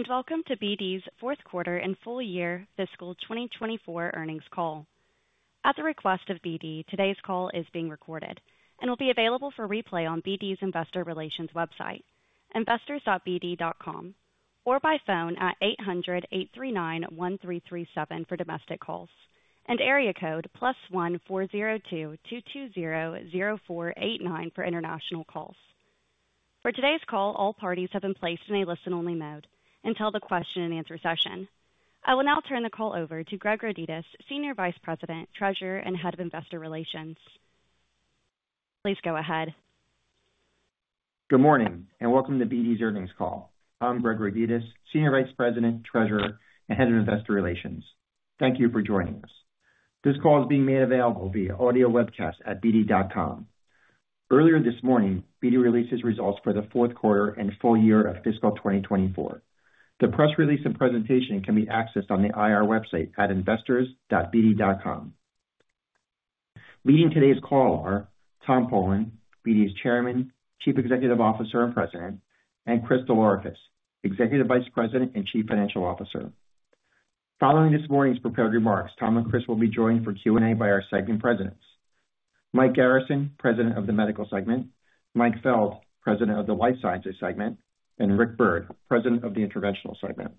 Hello, and welcome to BD's Fourth Quarter and Full-Year Fiscal 2024 Earnings Call. At the request of BD, today's call is being recorded and will be available for replay on BD's investor relations website, investors.bd.com or by phone at 800-839-1337 for domestic calls and area code +1-402-220-0489 for international calls. For today's call, all parties have been placed in a listen-only mode until the question and answer session. I will now turn the call over to Greg Rodetis, Senior Vice President, Treasurer, and Head of Investor Relations. Please go ahead. Good morning and welcome to BD's earnings call. I'm Greg Rodetis, Senior Vice President, Treasurer, and Head of Investor Relations. Thank you for joining us. This call is being made available via audio webcast at bd.com. Earlier this morning, BD released its results for the fourth quarter and full-year of Fiscal 2024. The press release and presentation can be accessed on the IR website at investors.bd.com. Leading today's call are Tom Polen, BD's Chairman, Chief Executive Officer and President, and Chris DelOrefice, Executive Vice President and Chief Financial Officer. Following this morning's prepared remarks, Tom and Chris will be joined for Q&A by our segment presidents: Mike Garrison, President of the Medical Segment; Mike Feld, President of the Life Sciences Segment; and Rick Byrd, President of the Interventional Segment.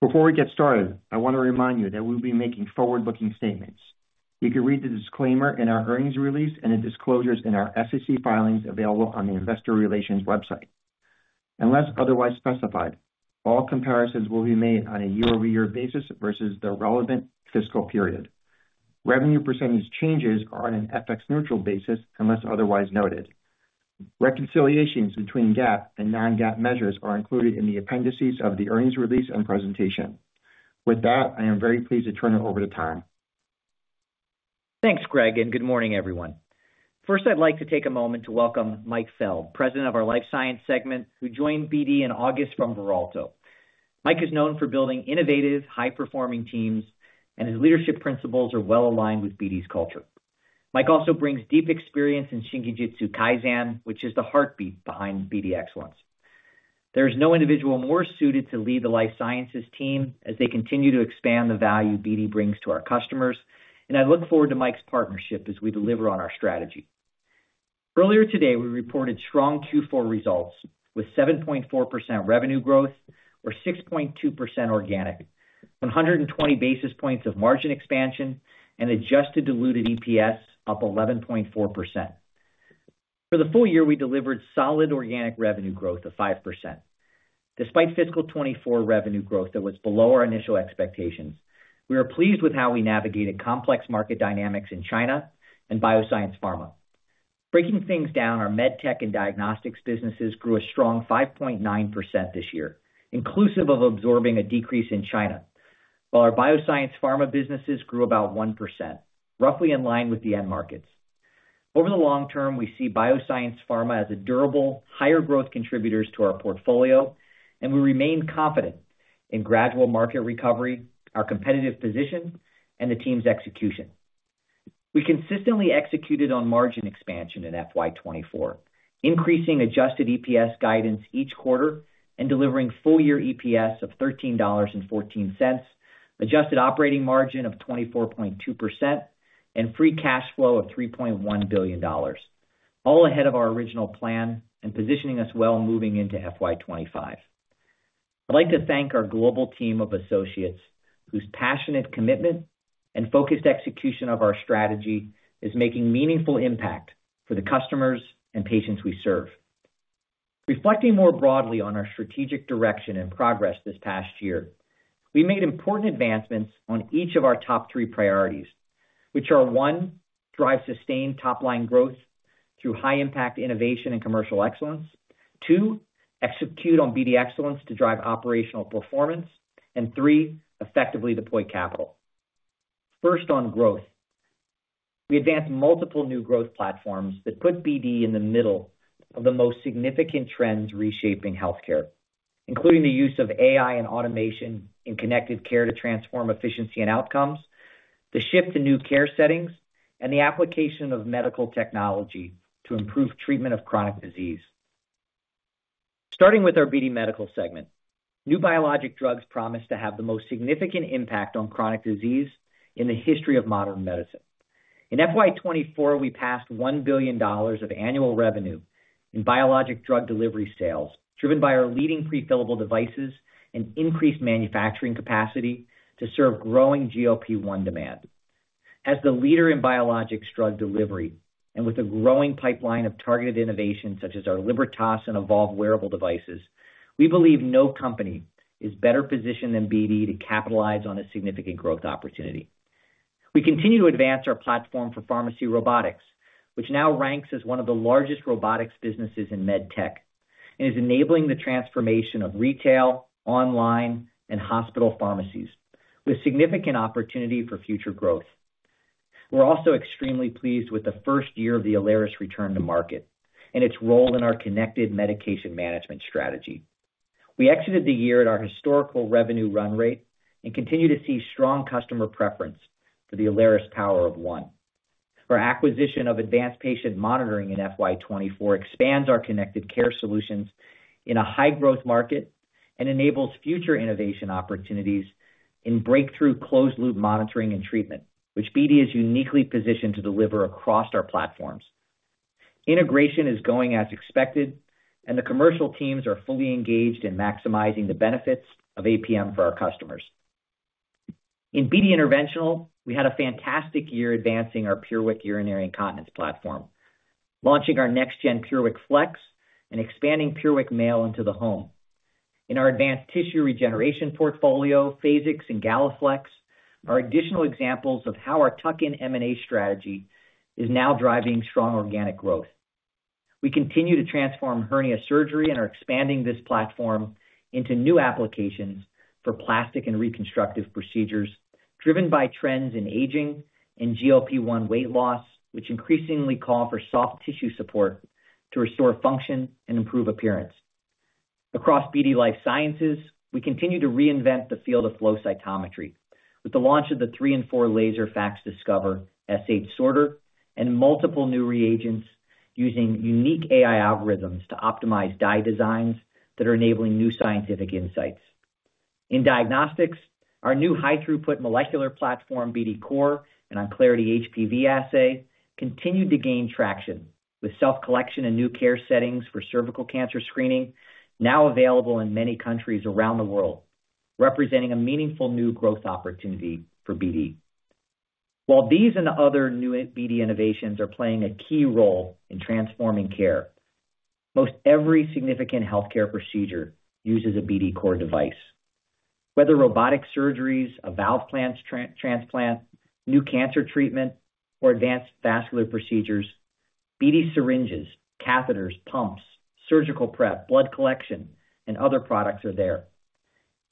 Before we get started, I want to remind you that we will be making forward-looking statements. You can read the disclaimer in our earnings release and the disclosures in our SEC filings available on the Investor Relations website. Unless otherwise specified, all comparisons will be made on a year-over-year basis versus the relevant fiscal period. Revenue percentage changes are on an FX-neutral basis unless otherwise noted. Reconciliations between GAAP and non-GAAP measures are included in the appendices of the earnings release and presentation. With that, I am very pleased to turn it over to Tom. Thanks, Greg, and good morning, everyone. First, I'd like to take a moment to welcome Mike Feld, President of our Life Sciences Segment, who joined BD in August from Veralto. Mike is known for building innovative, high-performing teams, and his leadership principles are well aligned with BD's culture. Mike also brings deep experience in Shingijutsu-Kaizen, which is the heartbeat behind BD Excellence. There is no individual more suited to lead the life sciences team as they continue to expand the value BD brings to our customers, and I look forward to Mike's partnership as we deliver on our strategy. Earlier today, we reported strong Q4 results with 7.4% revenue growth, or 6.2% organic, 120 basis points of margin expansion, and adjusted diluted EPS up 11.4%. For the full-year, we delivered solid organic revenue growth of 5%. Despite Fiscal 2024 revenue growth that was below our initial expectations, we are pleased with how we navigated complex market dynamics in China and bioscience pharma. Breaking things down, our med tech and diagnostics businesses grew a strong 5.9% this year, inclusive of absorbing a decrease in China, while our bioscience pharma businesses grew about 1%, roughly in line with the end markets. Over the long term, we see bioscience pharma as a durable, higher growth contributor to our portfolio, and we remain confident in gradual market recovery, our competitive position, and the team's execution. We consistently executed on margin expansion in FY 2024, increasing adjusted EPS guidance each quarter and delivering full-year EPS of $13.14, adjusted operating margin of 24.2%, and free cash flow of $3.1 billion, all ahead of our original plan and positioning us well moving into FY 2025. I'd like to thank our global team of associates whose passionate commitment and focused execution of our strategy is making a meaningful impact for the customers and patients we serve. Reflecting more broadly on our strategic direction and progress this past year, we made important advancements on each of our top three priorities, which are: one, drive sustained top-line growth through high-impact innovation and commercial excellence; two, execute on BD Excellence to drive operational performance; and three, effectively deploy capital. First, on growth. We advanced multiple new growth platforms that put BD in the middle of the most significant trends reshaping healthcare, including the use of AI and automation in connected care to transform efficiency and outcomes, the shift to new care settings, and the application of medical technology to improve treatment of chronic disease. Starting with our BD medical segment, new biologic drugs promise to have the most significant impact on chronic disease in the history of modern medicine. In FY 2024, we passed $1 billion of annual revenue in biologic drug delivery sales driven by our leading prefillable devices and increased manufacturing capacity to serve growing GLP-1 demand. As the leader in biologics drug delivery and with a growing pipeline of targeted innovation such as our Libertas and Evolve wearable devices, we believe no company is better positioned than BD to capitalize on a significant growth opportunity. We continue to advance our platform for pharmacy robotics, which now ranks as one of the largest robotics businesses in med tech and is enabling the transformation of retail, online, and hospital pharmacies with significant opportunity for future growth. We're also extremely pleased with the first year of the Alaris return to market and its role in our connected medication management strategy. We exited the year at our historical revenue run rate and continue to see strong customer preference for the Alaris Power of One. Our acquisition of Advanced Patient Monitoring in FY 2024 expands our connected care solutions in a high-growth market and enables future innovation opportunities in breakthrough closed-loop monitoring and treatment, which BD is uniquely positioned to deliver across our platforms. Integration is going as expected, and the commercial teams are fully engaged in maximizing the benefits of APM for our customers. In BD Interventional, we had a fantastic year advancing our PureWick urinary incontinence platform, launching our next-gen PureWick Flex and expanding PureWick Male into the home. In our advanced tissue regeneration portfolio, Phasix and GalaFLEX are additional examples of how our tuck-in M&A strategy is now driving strong organic growth. We continue to transform hernia surgery and are expanding this platform into new applications for plastic and reconstructive procedures driven by trends in aging and GLP-1 weight loss, which increasingly call for soft tissue support to restore function and improve appearance. Across BD Life Sciences, we continue to reinvent the field of flow cytometry with the launch of the three and four laser FACSDiscover S8 sorter and multiple new reagents using unique AI algorithms to optimize dye designs that are enabling new scientific insights. In diagnostics, our new high-throughput molecular platform, BD COR, and OnClarity HPV assay continue to gain traction with self-collection and new care settings for cervical cancer screening now available in many countries around the world, representing a meaningful new growth opportunity for BD. While these and other new BD innovations are playing a key role in transforming care, most every significant healthcare procedure uses a BD COR device. Whether robotic surgeries, a valve transplant, new cancer treatment, or advanced vascular procedures, BD syringes, catheters, pumps, surgical prep, blood collection, and other products are there.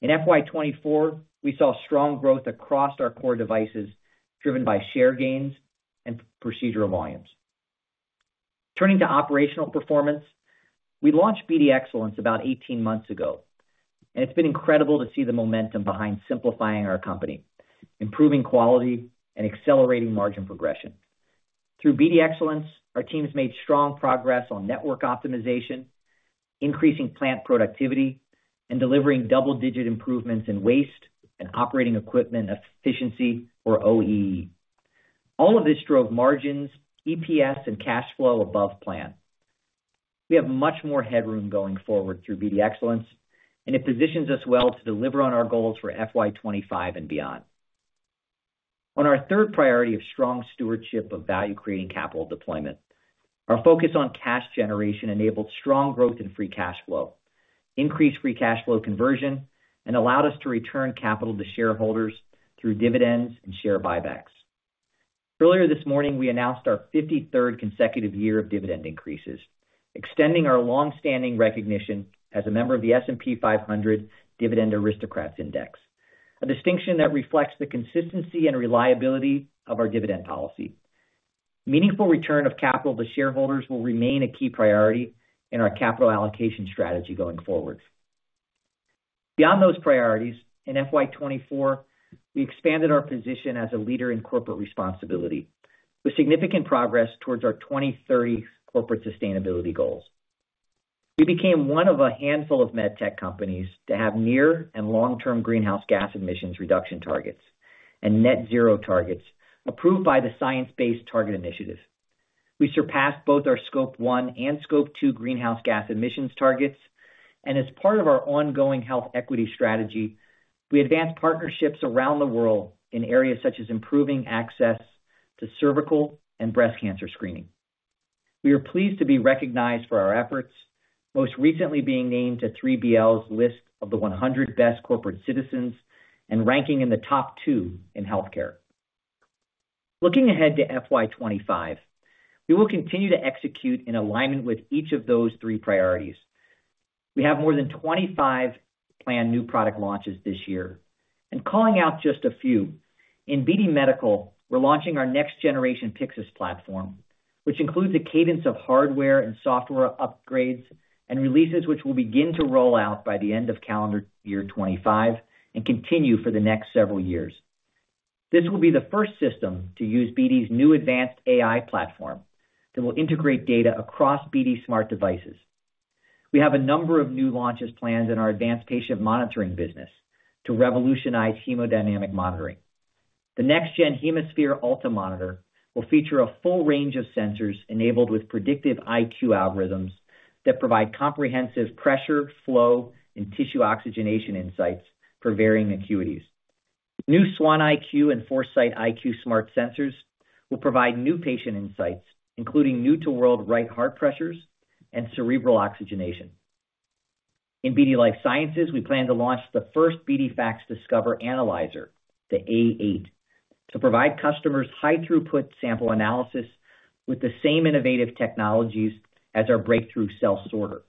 In FY 2024, we saw strong growth across our core devices driven by share gains and procedural volumes. Turning to operational performance, we launched BD Excellence about 18 months ago, and it's been incredible to see the momentum behind simplifying our company, improving quality, and accelerating margin progression. Through BD Excellence, our team has made strong progress on network optimization, increasing plant productivity, and delivering double-digit improvements in waste and Operating Equipment Efficiency, or OEE. All of this drove margins, EPS, and cash flow above plan. We have much more headroom going forward through BD Excellence, and it positions us well to deliver on our goals for FY 2025 and beyond. On our third priority of strong stewardship of value-creating capital deployment, our focus on cash generation enabled strong growth in free cash flow, increased free cash flow conversion, and allowed us to return capital to shareholders through dividends and share buybacks. Earlier this morning, we announced our 53rd consecutive year of dividend increases, extending our longstanding recognition as a member of the S&P 500 Dividend Aristocrats Index, a distinction that reflects the consistency and reliability of our dividend policy. Meaningful return of capital to shareholders will remain a key priority in our capital allocation strategy going forward. Beyond those priorities, in FY 2024, we expanded our position as a leader in corporate responsibility with significant progress towards our 2030 corporate sustainability goals. We became one of a handful of med tech companies to have near and long-term greenhouse gas emissions reduction targets and net-zero targets approved by the Science Based Targets initiative. We surpassed both our Scope 1 and Scope 2 greenhouse gas emissions targets, and as part of our ongoing health equity strategy, we advanced partnerships around the world in areas such as improving access to cervical and breast cancer screening. We are pleased to be recognized for our efforts, most recently being named to 3BL's list of the 100 Best Corporate Citizens and ranking in the top two in healthcare. Looking ahead to FY 2025, we will continue to execute in alignment with each of those three priorities. We have more than 25 planned new product launches this year, and calling out just a few. In BD Medical, we're launching our next-generation Pyxis platform, which includes a cadence of hardware and software upgrades and releases which will begin to roll out by the end of calendar year 2025 and continue for the next several years. This will be the first system to use BD's new advanced AI platform that will integrate data across BD smart devices. We have a number of new launches planned in our advanced patient monitoring business to revolutionize hemodynamic monitoring. The next-gen HemoSphere Ultra Monitor will feature a full range of sensors enabled with Predictive IQ algorithms that provide comprehensive pressure, flow, and tissue oxygenation insights for varying acuities. New Swan IQ and ForeSight IQ smart sensors will provide new patient insights, including new-to-world right heart pressures and cerebral oxygenation. In BD Life Sciences, we plan to launch the first BD FACSDiscover analyzer, the A8, to provide customers high-throughput sample analysis with the same innovative technologies as our breakthrough cell sorter.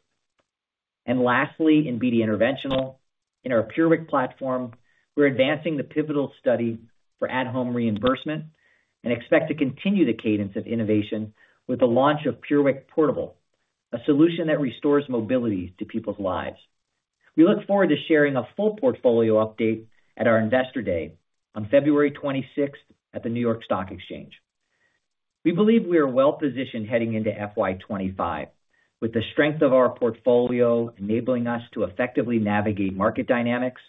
And lastly, in BD Interventional, in our PureWick platform, we're advancing the pivotal study for at-home reimbursement and expect to continue the cadence of innovation with the launch of PureWick Portable, a solution that restores mobility to people's lives. We look forward to sharing a full portfolio update at our Investor Day on February 26th at the New York Stock Exchange. We believe we are well-positioned heading into FY 2025 with the strength of our portfolio enabling us to effectively navigate market dynamics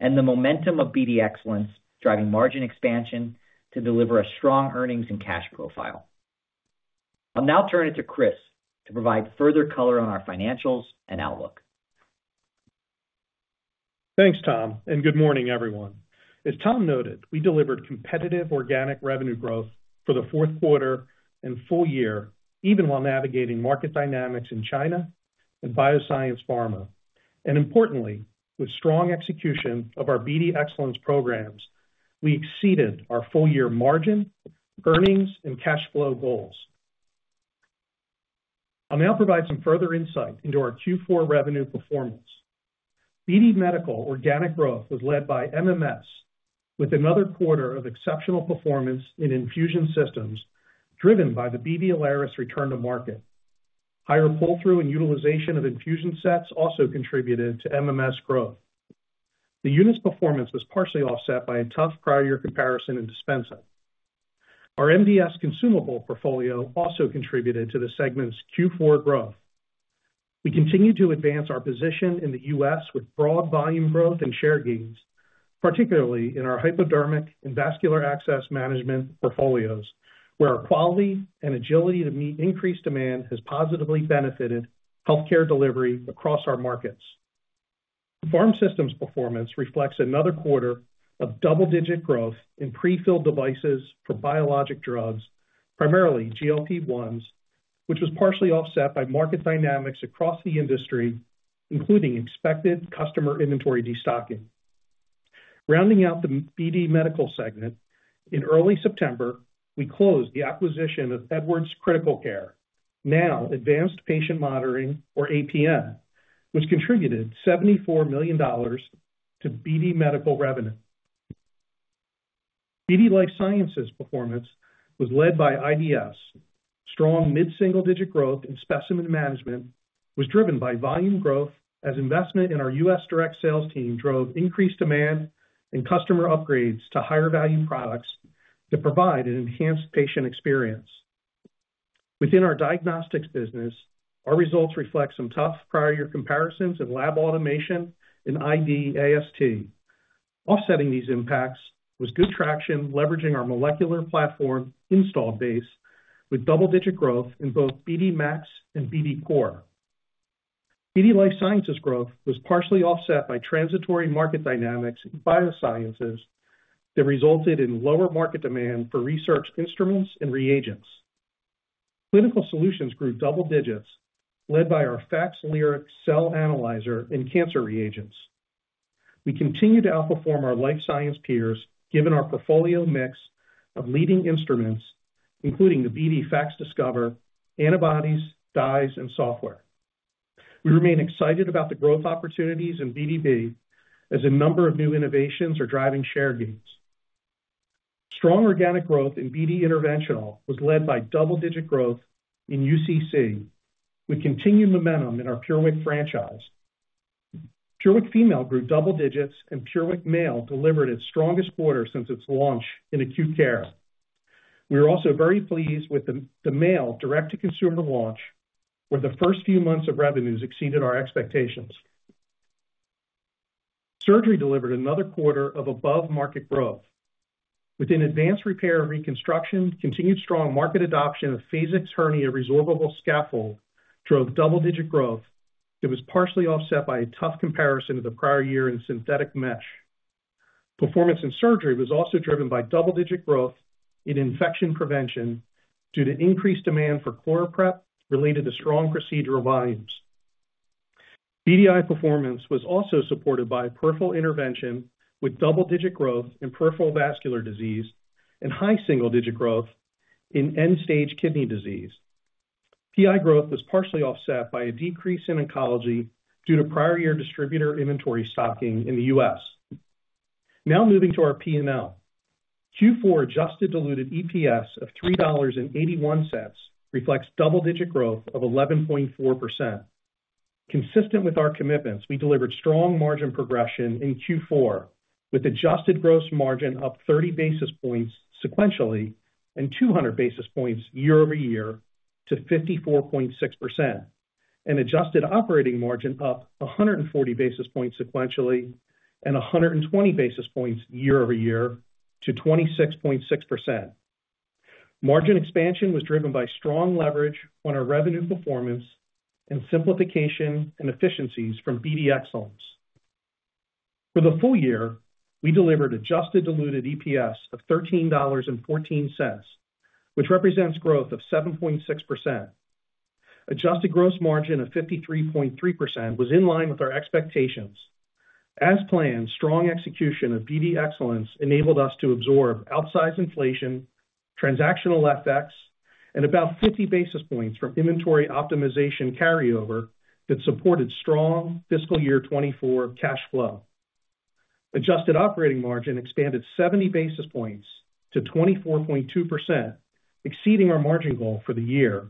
and the momentum of BD Excellence driving margin expansion to deliver a strong earnings and cash profile. I'll now turn it to Chris to provide further color on our financials and outlook. Thanks, Tom, and good morning, everyone. As Tom noted, we delivered competitive organic revenue growth for the fourth quarter and full year, even while navigating market dynamics in China and bioscience pharma, and importantly, with strong execution of our BD Excellence programs, we exceeded our full-year margin, earnings, and cash flow goals. I'll now provide some further insight into our Q4 revenue performance. BD Medical organic growth was led by MMS with another quarter of exceptional performance in infusion systems driven by the BD Alaris return to market. Higher pull-through and utilization of infusion sets also contributed to MMS growth. The unit's performance was partially offset by a tough prior-year comparison in dispensing. Our MDS consumable portfolio also contributed to the segment's Q4 growth. We continue to advance our position in the U.S. with broad volume growth and share gains, particularly in our hypodermic and vascular access management portfolios, where our quality and agility to meet increased demand has positively benefited healthcare delivery across our markets. Pharma systems performance reflects another quarter of double-digit growth in prefilled devices for biologic drugs, primarily GLP-1s, which was partially offset by market dynamics across the industry, including expected customer inventory destocking. Rounding out the BD Medical segment, in early September, we closed the acquisition of Edwards Critical Care, now Advanced Patient Monitoring, or APM, which contributed $74 million to BD Medical revenue. BD Life Sciences performance was led by IDS. Strong mid-single-digit growth in specimen management was driven by volume growth as investment in our U.S. direct sales team drove increased demand and customer upgrades to higher-value products to provide an enhanced patient experience. Within our diagnostics business, our results reflect some tough prior-year comparisons in lab automation and ID/AST. Offsetting these impacts was good traction leveraging our molecular platform install base with double-digit growth in both BD MAX and BD COR. BD Life Sciences growth was partially offset by transitory market dynamics in biosciences that resulted in lower market demand for research instruments and reagents. Clinical solutions grew double digits led by our FACSLyric cell analyzer and cancer reagents. We continue to outperform our life science peers given our portfolio mix of leading instruments, including the BD FACSDiscover, antibodies, dyes, and software. We remain excited about the growth opportunities in BD Biosciences as a number of new innovations are driving share gains. Strong organic growth in BD Interventional was led by double-digit growth in UCC with continued momentum in our PureWick franchise. PureWick Female grew double digits and PureWick Male delivered its strongest quarter since its launch in acute care. We are also very pleased with the male direct-to-consumer launch where the first few months of revenues exceeded our expectations. Surgery delivered another quarter of above-market growth. Within advanced repair and reconstruction, continued strong market adoption of Phasix hernia resorbable scaffold drove double-digit growth that was partially offset by a tough comparison to the prior year in synthetic mesh. Performance in surgery was also driven by double-digit growth in infection prevention due to increased demand for ChloraPrep related to strong procedural volumes. BDI performance was also supported by peripheral intervention with double-digit growth in peripheral vascular disease and high single-digit growth in end-stage kidney disease. PI growth was partially offset by a decrease in oncology due to prior-year distributor inventory stocking in the U.S. Now moving to our P&L. Q4 adjusted diluted EPS of $3.81 reflects double-digit growth of 11.4%. Consistent with our commitments, we delivered strong margin progression in Q4 with adjusted gross margin up 30 basis points sequentially and 200 basis points year-over-year to 54.6%, and adjusted operating margin up 140 basis points sequentially and 120 basis points year-over-year to 26.6%. Margin expansion was driven by strong leverage on our revenue performance and simplification and efficiencies from BD Excellence. For the full-year, we delivered adjusted diluted EPS of $13.14, which represents growth of 7.6%. Adjusted gross margin of 53.3% was in line with our expectations. As planned, strong execution of BD Excellence enabled us to absorb outsized inflation, transactional effects, and about 50 basis points from inventory optimization carryover that supported strong Fiscal Year 2024 cash flow. Adjusted operating margin expanded 70 basis points to 24.2%, exceeding our margin goal for the year,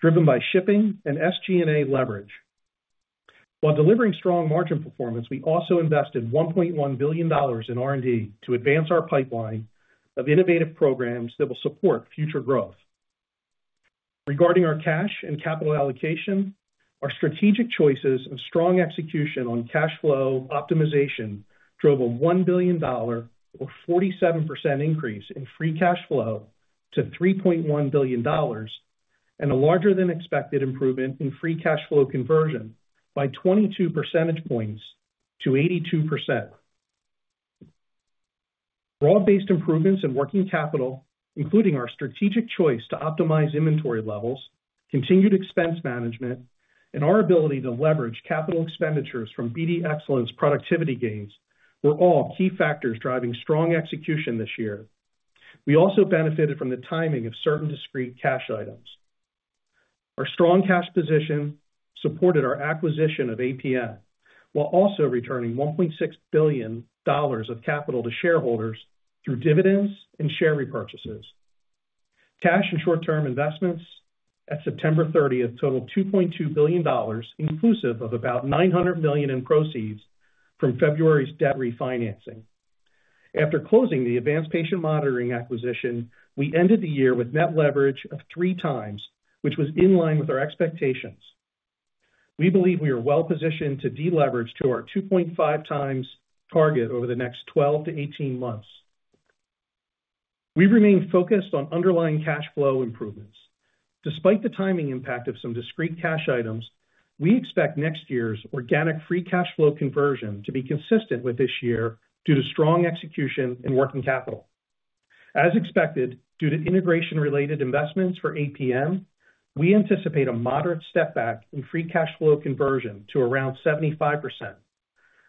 driven by shipping and SG&A leverage. While delivering strong margin performance, we also invested $1.1 billion in R&D to advance our pipeline of innovative programs that will support future growth. Regarding our cash and capital allocation, our strategic choices and strong execution on cash flow optimization drove a $1 billion, or 47% increase in free cash flow to $3.1 billion, and a larger-than-expected improvement in free cash flow conversion by 22 percentage points to 82%. Broad-based improvements in working capital, including our strategic choice to optimize inventory levels, continued expense management, and our ability to leverage capital expenditures from BD Excellence productivity gains, were all key factors driving strong execution this year. We also benefited from the timing of certain discrete cash items. Our strong cash position supported our acquisition of APM while also returning $1.6 billion of capital to shareholders through dividends and share repurchases. Cash and short-term investments at September 30th totaled $2.2 billion, inclusive of about $900 million in proceeds from February's debt refinancing. After closing the Advanced Patient Monitoring acquisition, we ended the year with net leverage of 3x, which was in line with our expectations. We believe we are well-positioned to deleverage to our 2.5x target over the next 12 months to 18 months. We remain focused on underlying cash flow improvements. Despite the timing impact of some discrete cash items, we expect next year's organic free cash flow conversion to be consistent with this year due to strong execution and working capital. As expected, due to integration-related investments for APM, we anticipate a moderate step back in free cash flow conversion to around 75%.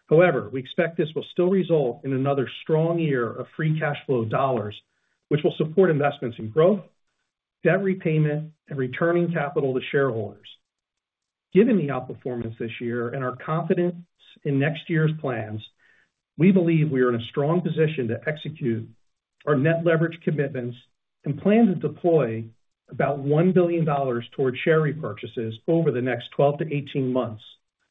However, we expect this will still result in another strong year of free cash flow dollars, which will support investments in growth, debt repayment, and returning capital to shareholders. Given the outperformance this year and our confidence in next year's plans, we believe we are in a strong position to execute our net leverage commitments and plan to deploy about $1 billion towards share repurchases over the next 12 months to 18 months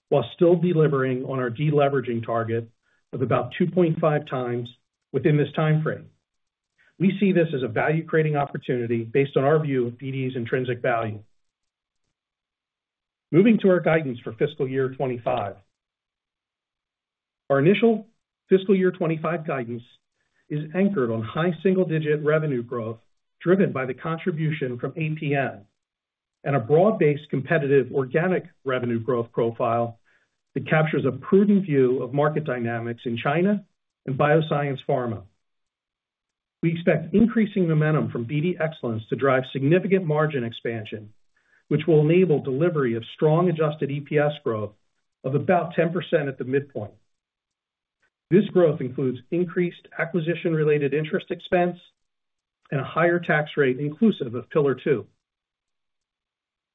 while still delivering on our deleveraging target of about 2.5x within this timeframe. We see this as a value-creating opportunity based on our view of BD's intrinsic value. Moving to our guidance for Fiscal Year 2025. Our initial Fiscal Year 2025 guidance is anchored on high single-digit revenue growth driven by the contribution from APM and a broad-based competitive organic revenue growth profile that captures a prudent view of market dynamics in China and bioscience pharma. We expect increasing momentum from BD Excellence to drive significant margin expansion, which will enable delivery of strong adjusted EPS growth of about 10% at the midpoint. This growth includes increased acquisition-related interest expense and a higher tax rate inclusive of Pillar Two.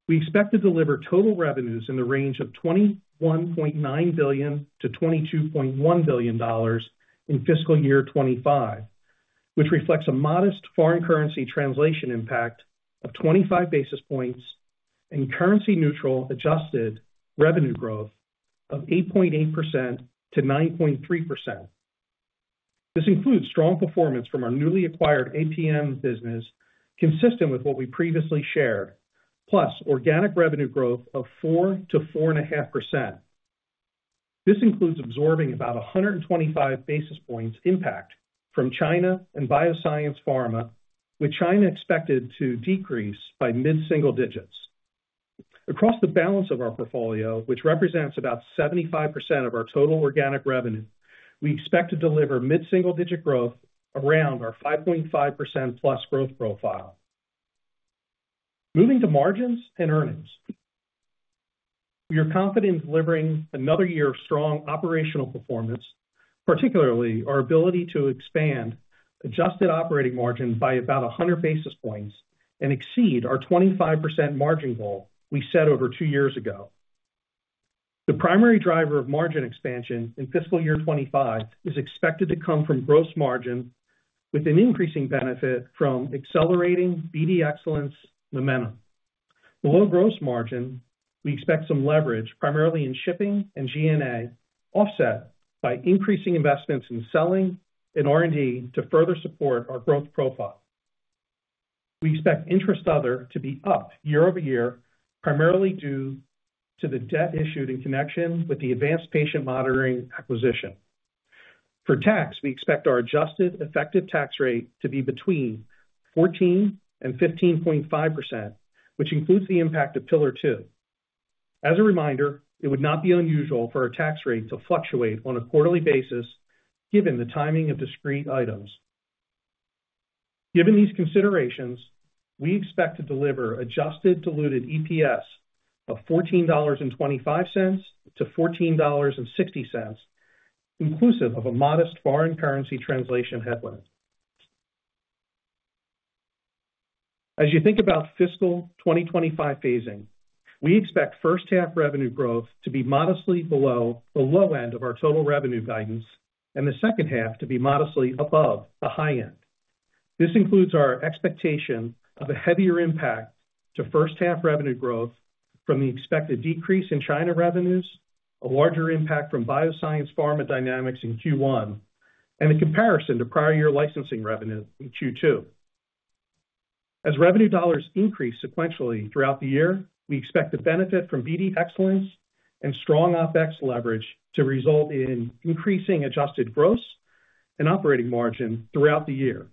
We expect to deliver total revenues in the range of $21.9 billion to $22.1 billion in Fiscal Year 2025, which reflects a modest foreign currency translation impact of 25 basis points and currency-neutral adjusted revenue growth of 8.8% to 9.3%. This includes strong performance from our newly acquired APM business, consistent with what we previously shared, plus organic revenue growth of 4% to 4.5%. This includes absorbing about 125 basis points impact from China and Bioscience Pharma, with China expected to decrease by mid-single digits. Across the balance of our portfolio, which represents about 75% of our total organic revenue, we expect to deliver mid-single digit growth around our 5.5% plus growth profile. Moving to margins and earnings. We are confident in delivering another year of strong operational performance, particularly our ability to expand adjusted operating margin by about 100 basis points and exceed our 25% margin goal we set over two years ago. The primary driver of margin expansion in Fiscal Year 2025 is expected to come from gross margin, with an increasing benefit from accelerating BD Excellence momentum. Below gross margin, we expect some leverage, primarily in shipping and G&A, offset by increasing investments in selling and R&D to further support our growth profile. We expect interest other to be up year over year, primarily due to the debt issued in connection with the Advanced Patient Monitoring acquisition. For tax, we expect our adjusted effective tax rate to be between 14%-15.5%, which includes the impact of Pillar Two. As a reminder, it would not be unusual for our tax rate to fluctuate on a quarterly basis given the timing of discrete items. Given these considerations, we expect to deliver adjusted diluted EPS of $14.25 to $14.60, inclusive of a modest foreign currency translation headline. As you think about Fiscal 2025 phasing, we expect first-half revenue growth to be modestly below the low end of our total revenue guidance and the second half to be modestly above the high end. This includes our expectation of a heavier impact to first-half revenue growth from the expected decrease in China revenues, a larger impact from bioscience pharma dynamics in Q1, and a comparison to prior-year licensing revenue in Q2. As revenue dollars increase sequentially throughout the year, we expect to benefit from BD Excellence and strong OpEx leverage to result in increasing adjusted gross and operating margin throughout the year.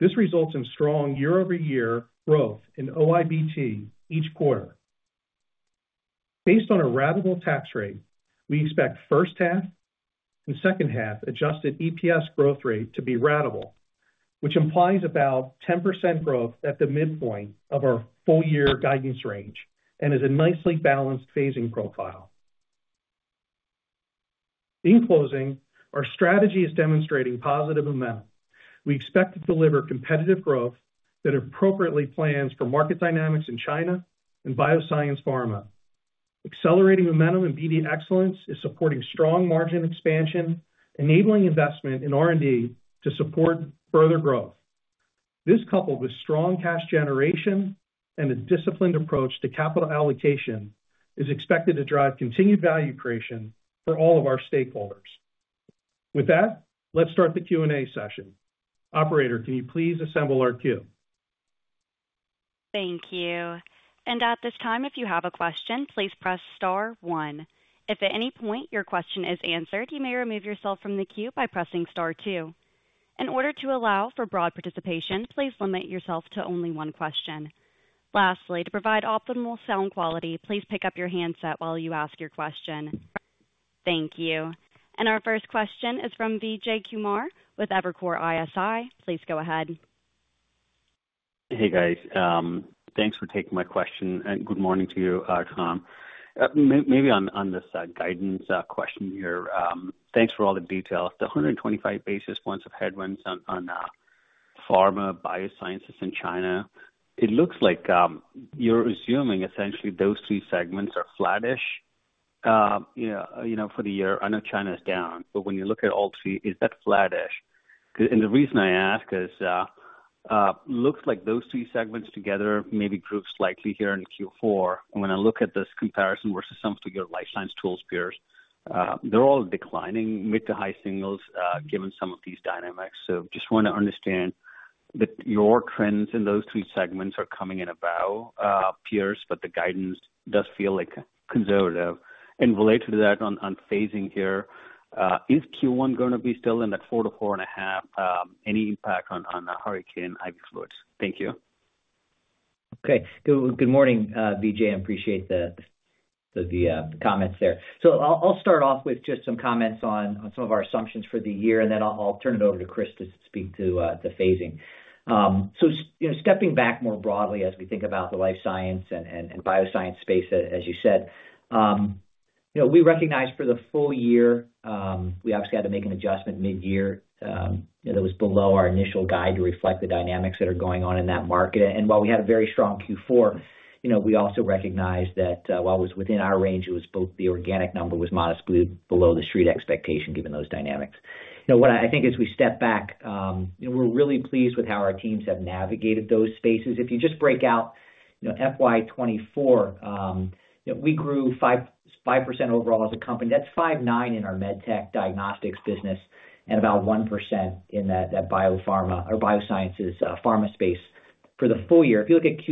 This results in strong year-over-year growth in OIBT each quarter. Based on a ratable tax rate, we expect first-half and second-half adjusted EPS growth rate to be ratable, which implies about 10% growth at the midpoint of our full-year guidance range and is a nicely balanced phasing profile. In closing, our strategy is demonstrating positive momentum. We expect to deliver competitive growth that appropriately plans for market dynamics in China and Bioscience Pharma. Accelerating momentum in BD Excellence is supporting strong margin expansion, enabling investment in R&D to support further growth. This, coupled with strong cash generation and a disciplined approach to capital allocation, is expected to drive continued value creation for all of our stakeholders. With that, let's start the Q&A session. Operator, can you please assemble our queue? Thank you. And at this time, if you have a question, please press star one. If at any point your question is answered, you may remove yourself from the queue by pressing star two. In order to allow for broad participation, please limit yourself to only one question. Lastly, to provide optimal sound quality, please pick up your handset while you ask your question. Thank you. And our first question is from Vijay Kumar with Evercore ISI. Please go ahead. Hey, guys. Thanks for taking my question and good morning to you, Tom, maybe on this guidance question here, thanks for all the details. The 125 basis points of headwinds on pharma biosciences in China, it looks like you're assuming essentially those three segments are flattish for the year. I know China is down, but when you look at all three, is that flattish? And the reason I ask is it looks like those three segments together maybe grew slightly here in Q4. And when I look at this comparison versus some of your life science tools peers, they're all declining mid- to high-single digits given some of these dynamics. So just want to understand that your trends in those three segments are coming in about peers, but the guidance does feel conservative. And related to that on phasing here, is Q1 going to be still in that 4%-4.5%? Any impact on hurricane IV fluids? Thank you. Okay. Good morning, Vijay. I appreciate the comments there. So I'll start off with just some comments on some of our assumptions for the year, and then I'll turn it over to Chris to speak to phasing. So stepping back more broadly as we think about the life science and bioscience space, as you said, we recognize for the full year, we obviously had to make an adjustment mid-year that was below our initial guide to reflect the dynamics that are going on in that market. And while we had a very strong Q4, we also recognize that while it was within our range, it was both the organic number was modestly below the street expectation given those dynamics. What I think as we step back, we're really pleased with how our teams have navigated those spaces. If you just break out FY 2024, we grew 5% overall as a company. That's 5.9% in our med tech diagnostics business and about 1% in that biopharma or biosciences pharma space for the full year. If you look at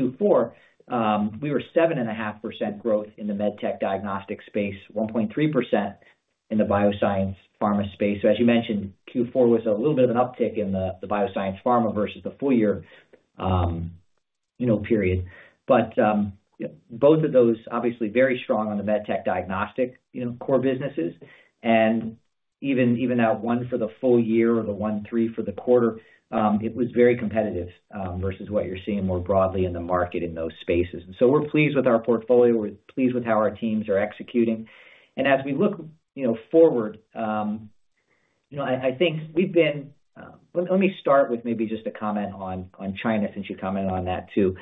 Q4, we were 7.5% growth in the med tech diagnostic space, 1.3% in the Bioscience Pharma space. As you mentioned, Q4 was a little bit of an uptick in the Bioscience Pharma versus the full-year period. Both of those, obviously very strong on the med tech diagnostic core businesses. Even that 1% for the full-year or the 1.3% for the quarter, it was very competitive versus what you're seeing more broadly in the market in those spaces. We're pleased with our portfolio. We're pleased with how our teams are executing. As we look forward, I think we've been. Let me start with maybe just a comment on China since you commented on that too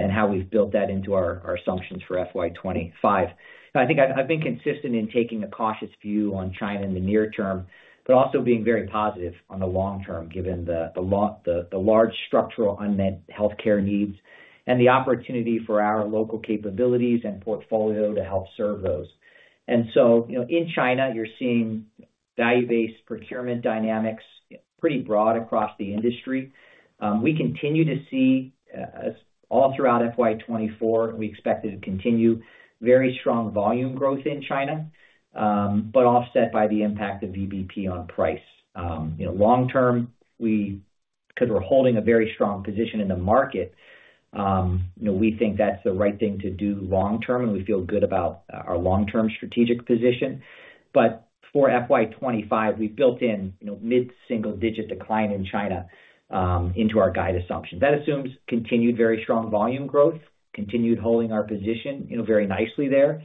and how we've built that into our assumptions for FY 2025. I think I've been consistent in taking a cautious view on China in the near term, but also being very positive on the long term given the large structural unmet healthcare needs and the opportunity for our local capabilities and portfolio to help serve those. And so in China, you're seeing value-based procurement dynamics pretty broad across the industry. We continue to see all throughout FY 2024, and we expect it to continue very strong volume growth in China, but offset by the impact of VBP on price. Long term, because we're holding a very strong position in the market, we think that's the right thing to do long term, and we feel good about our long-term strategic position, but for FY 2025, we've built in mid-single digit decline in China into our guide assumption. That assumes continued very strong volume growth, continued holding our position very nicely there,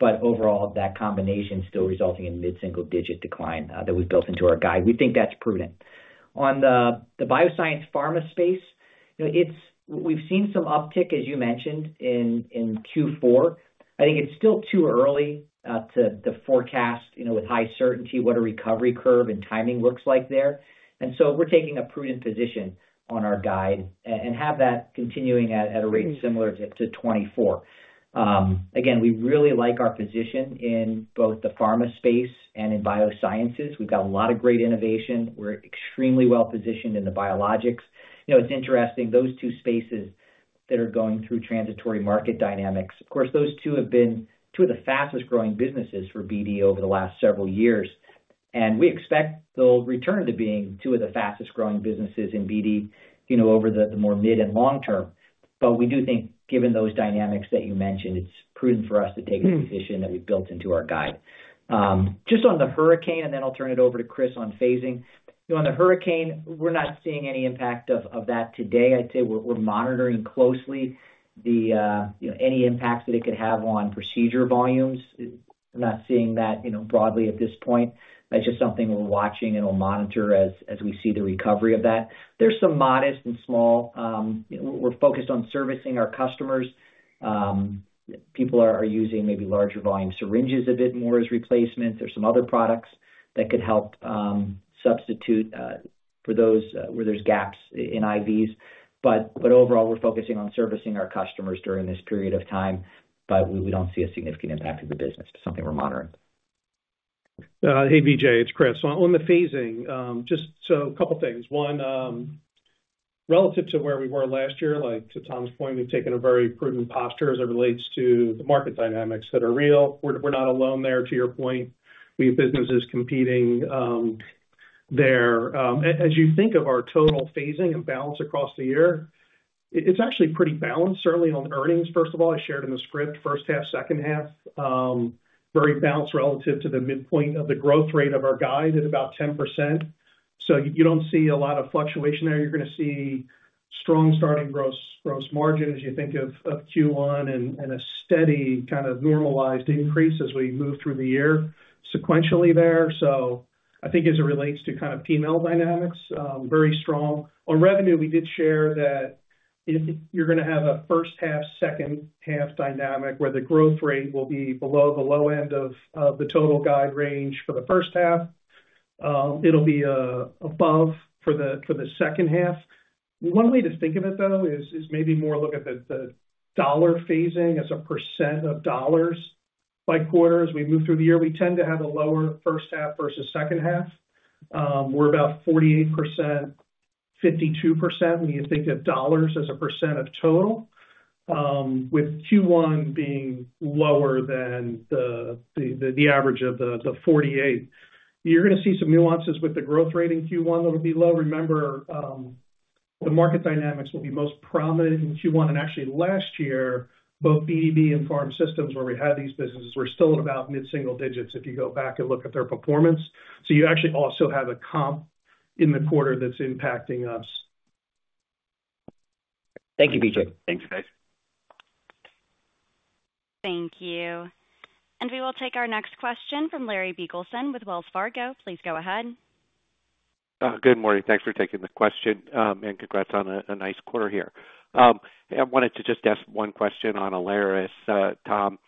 but overall, that combination still resulting in mid-single-digit decline that we've built into our guide. We think that's prudent. On the bioscience pharma space, we've seen some uptick, as you mentioned, in Q4. I think it's still too early to forecast with high certainty what a recovery curve and timing looks like there. So we're taking a prudent position on our guide and have that continuing at a rate similar to 2024. Again, we really like our position in both the pharma space and in biosciences. We've got a lot of great innovation. We're extremely well positioned in the biologics. It's interesting, those two spaces that are going through transitory market dynamics. Of course, those two have been two of the fastest growing businesses for BD over the last several years. We expect they'll return to being two of the fastest growing businesses in BD over the more mid and long term. But we do think, given those dynamics that you mentioned, it's prudent for us to take a position that we've built into our guide. Just on the hurricane, and then I'll turn it over to Chris on phasing. On the hurricane, we're not seeing any impact of that today. I'd say we're monitoring closely any impacts that it could have on procedure volumes. We're not seeing that broadly at this point. That's just something we're watching and we'll monitor as we see the recovery of that. There's some modest and small. We're focused on servicing our customers. People are using maybe larger volume syringes a bit more as replacements. There's some other products that could help substitute for those where there's gaps in IVs. But overall, we're focusing on servicing our customers during this period of time, but we don't see a significant impact in the business. It's something we're monitoring. Hey, Vijay, it's Chris. On the phasing, just a couple of things. One, relative to where we were last year, to Tom's point, we've taken a very prudent posture as it relates to the market dynamics that are real. We're not alone there, to your point. We have businesses competing there. As you think of our total phasing and balance across the year, it's actually pretty balanced, certainly on earnings. First of all, I shared in the script, first half, second half, very balanced relative to the midpoint of the growth rate of our guide at about 10%. So you don't see a lot of fluctuation there. You're going to see strong starting gross margin as you think of Q1 and a steady kind of normalized increase as we move through the year sequentially there. So I think as it relates to kind of P&L dynamics, very strong. On revenue, we did share that you're going to have a first-half, second-half dynamic where the growth rate will be below the low end of the total guide range for the first half. It'll be above for the second half. One way to think of it, though, is maybe more look at the dollar phasing as a percent of dollars by quarter as we move through the year. We tend to have a lower first half versus second half. We're about 48%, 52% when you think of dollars as a percent of total, with Q1 being lower than the average of the 48%. You're going to see some nuances with the growth rate in Q1 that will be low. Remember, the market dynamics will be most prominent in Q1. And actually, last year, both BD and Pharma Systems, where we had these businesses, were still at about mid-single digits if you go back and look at their performance. So you actually also have a comp in the quarter that's impacting us. Thank you, Vijay. Thanks, guys. Thank you. And we will take our next question from Larry Biegelsen with Wells Fargo. Please go ahead. Good morning. Thanks for taking the question and congrats on a nice quarter here. I wanted to just ask one question on Alaris, Tom.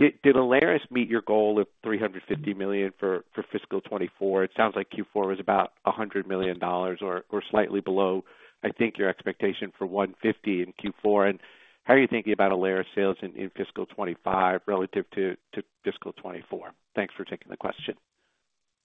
Did Alaris meet your goal of $350 million for Fiscal 2024? It sounds like Q4 was about $100 million or slightly below, I think, your expectation for $150 million in Q4. How are you thinking about Alaris sales in Fiscal 2025 relative to Fiscal 2024? Thanks for taking the question.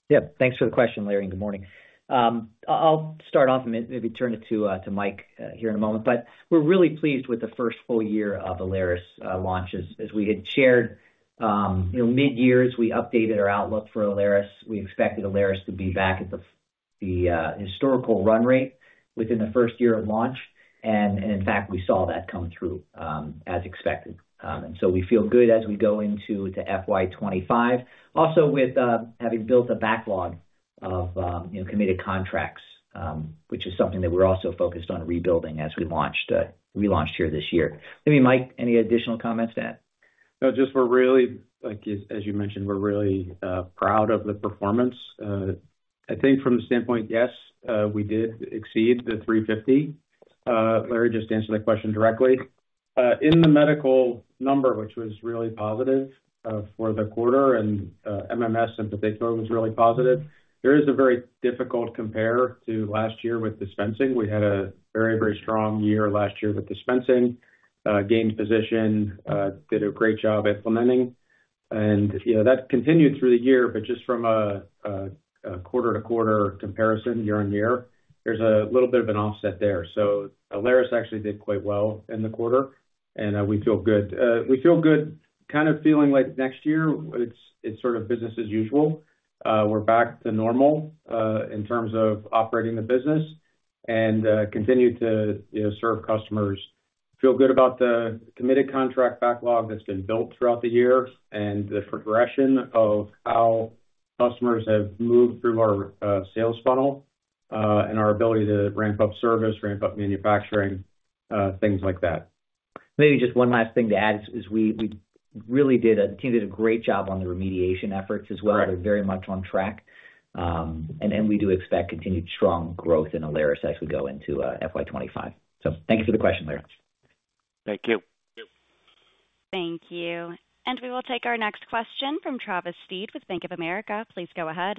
Yep. Thanks for the question, Larry. Good morning. I'll start off and maybe turn it to Mike here in a moment. We're really pleased with the first full-year of Alaris launches. As we had shared, mid-years, we updated our outlook for Alaris. We expected Alaris to be back at the historical run rate within the first year of launch. In fact, we saw that come through as expected. We feel good as we go into FY 2025, also with having built a backlog of committed contracts, which is something that we're also focused on rebuilding as we launched here this year. Maybe Mike, any additional comments to add? No, just we're really, as you mentioned, we're really proud of the performance. I think from the standpoint, yes, we did exceed the 350. Larry just answered the question directly. In the medical number, which was really positive for the quarter, and MMS in particular was really positive. There is a very difficult compare to last year with dispensing. We had a very, very strong year last year with dispensing, gained position, did a great job implementing and that continued through the year, but just from a quarter-to-quarter comparison year on year, there's a little bit of an offset there, so Alaris actually did quite well in the quarter, and we feel good. We feel good kind of feeling like next year, it's sort of business as usual. We're back to normal in terms of operating the business and continue to serve customers. Feel good about the committed contract backlog that's been built throughout the year and the progression of how customers have moved through our sales funnel and our ability to ramp up service, ramp up manufacturing, things like that. Maybe just one last thing to add is we really did a great job on the remediation efforts as well. They're very much on track. And we do expect continued strong growth in Alaris as we go into FY 2025. So thank you for the question, Larry. Thank you. Thank you. And we will take our next question from Travis Steed with Bank of America. Please go ahead.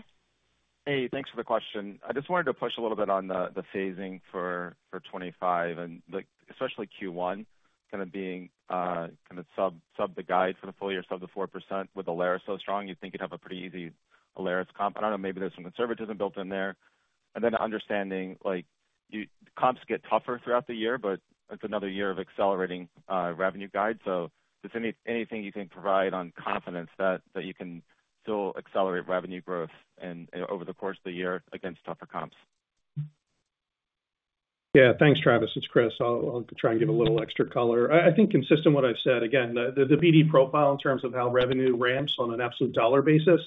Hey, thanks for the question. I just wanted to push a little bit on the phasing for 2025, and especially Q1, kind of being kind of sub the guide for the full year, sub the 4% with Alaris so strong, you think you'd have a pretty easy Alaris comp. I don't know, maybe there's some conservatism built in there. Then understanding comps get tougher throughout the year, but it's another year of accelerating revenue guide. So just anything you can provide on confidence that you can still accelerate revenue growth over the course of the year against tougher comps. Yeah. Thanks, Travis. It's Chris. I'll try and give a little extra color. I think consistent with what I've said. Again, the BD profile in terms of how revenue ramps on an absolute dollar basis,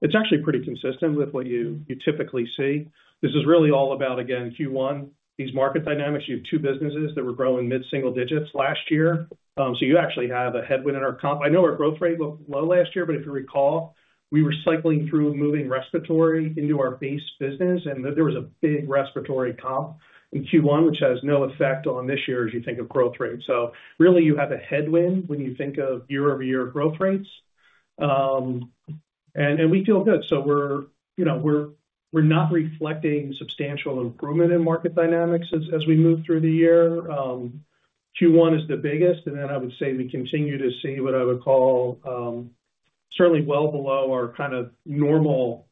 it's actually pretty consistent with what you typically see. This is really all about, again, Q1, these market dynamics. You have two businesses that were growing mid-single digits last year. So you actually have a headwind in our comp. I know our growth rate was low last year, but if you recall, we were cycling through moving respiratory into our base business, and there was a big respiratory comp in Q1, which has no effect on this year as you think of growth rate. So really, you have a headwind when you think of year-over-year growth rates. And we feel good. So we're not reflecting substantial improvement in market dynamics as we move through the year. Q1 is the biggest. And then I would say we continue to see what I would call certainly well below our kind of normal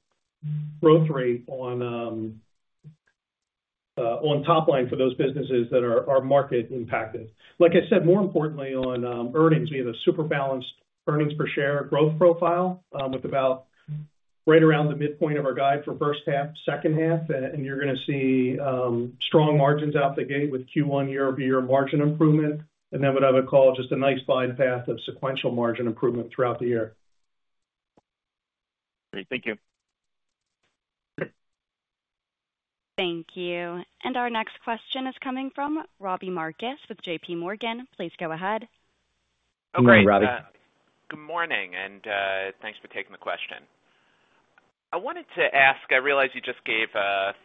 growth rate on top line for those businesses that are market impacted. Like I said, more importantly, on earnings, we have a super balanced earnings per share growth profile with about right around the midpoint of our guide for first half, second half, and you're going to see strong margins out the gate with Q1 year-over-year margin improvement. And then what I would call just a nice fine path of sequential margin improvement throughout the year. Great. Thank you. Thank you, and our next question is coming from Robbie Marcus with JPMorgan. Please go ahead. Hello, Robbie. Good morning, and thanks for taking the question. I wanted to ask. I realize you just gave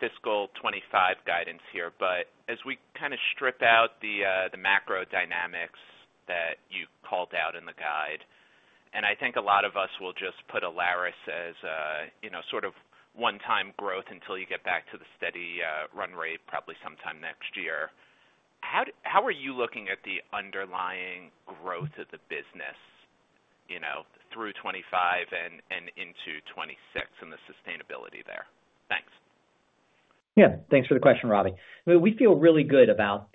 Fiscal 2025 guidance here, but as we kind of strip out the macro dynamics that you called out in the guide, and I think a lot of us will just put Alaris as sort of one-time growth until you get back to the steady run rate probably sometime next year. How are you looking at the underlying growth of the business through 2025 and into 2026 and the sustainability there? Thanks. Yeah. Thanks for the question, Robbie. We feel really good about